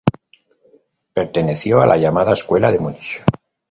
Perteneció a la llamada Escuela de Múnich.